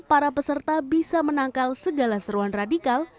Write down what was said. para peserta bisa menangkal segala seruan radikal